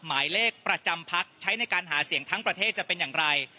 หมายเลขประจำพักใช้ในการหาเสียงทั้งประเทศจะเป็นอย่างไร